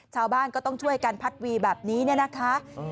ชาวบ้านก็ต้องช่วยกันพัดวีแบบนี้เนี่ยนะคะ